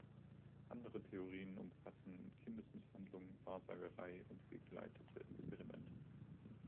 Andere Theorien umfassen Kindesmisshandlung, Wahrsagerei und fehlgeleitete Experimente.